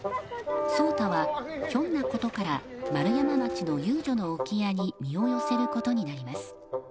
壮多はひょんなことから丸山町の遊女の置き屋に身を寄せることになります。